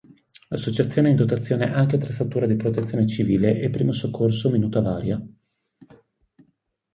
L'associazione ha in dotazione anche attrezzatura di protezione civile e primo soccorso minuta varia.